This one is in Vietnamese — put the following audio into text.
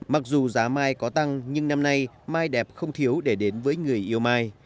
mặc dù giá mai có tăng nhưng năm nay mai đẹp không thiếu để đến với người yêu mai